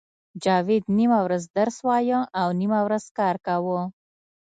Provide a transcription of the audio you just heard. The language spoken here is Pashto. جاوید نیمه ورځ درس وایه او نیمه ورځ کار کاوه